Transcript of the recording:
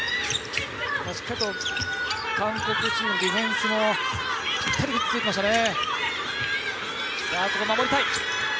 しっかりと韓国チームもディフェンスがぴったり、ついてましたね。